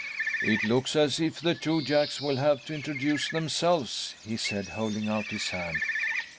"It looks as if the two Jacks will have to introduce themselves," he said, holding out his hand.